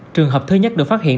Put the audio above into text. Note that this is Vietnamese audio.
trường hợp thứ nhất được phát hiện